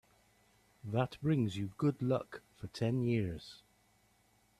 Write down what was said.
That brings you good luck for ten years.